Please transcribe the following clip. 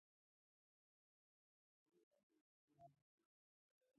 ځکه دا څاه خو دومره لویه نه ده.